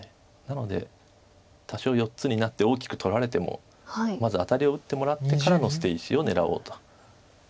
なので多少４つになって大きく取られてもまずアタリを打ってもらってからの捨て石を狙おうと。